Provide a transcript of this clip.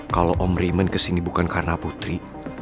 kalau om raymond kesini bukan karena putri